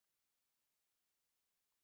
دا په وینز کې د سېراتا پروسه وه